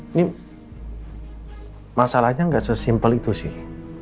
ini masalahnya nggak sesimpel itu sih